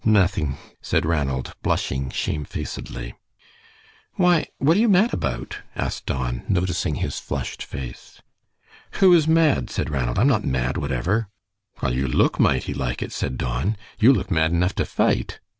"Nothing," said Ranald, blushing shamefacedly. "Why, what are you mad about?" asked Don, noticing his flushed face. "Who is mad?" said Ranald. "I am not mad whatever." "Well, you look mighty like it," said Don. "You look mad enough to fight."